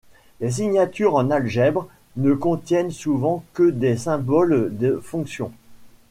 Les signatures en algèbre ne contiennent souvent que des symboles de fonctions.